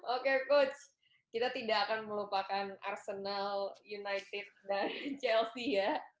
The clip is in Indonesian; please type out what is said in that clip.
oke coach kita tidak akan melupakan arsenal united dan chelsea ya